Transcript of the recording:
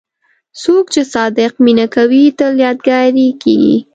څوک چې صادق مینه کوي، تل یادګاري کېږي.